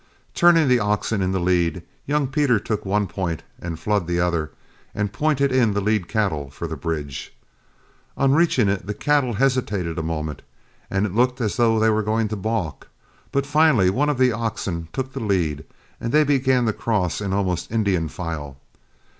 Turning the oxen in the lead, young Pete took one point and Flood the other, and pointed in the lead cattle for the bridge. On reaching it the cattle hesitated for a moment, and it looked as though they were going to balk, but finally one of the oxen took the lead, and they began to cross in almost Indian file.